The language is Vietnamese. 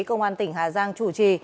công an tỉnh hà giang chủ trì